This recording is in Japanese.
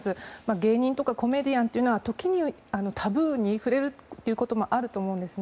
芸人とかコメディアンとかは時に、タブーに触れることもあると思うんですね。